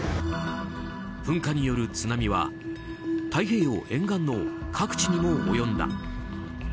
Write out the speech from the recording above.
噴火による津波は太平洋沿岸の各地にも及んだ。